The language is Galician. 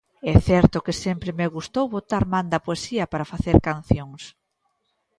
É certo que sempre me gustou botar man da poesía para facer cancións.